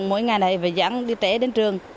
mỗi ngày này phải dẫn đứa trẻ đến trường